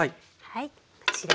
はいこちら。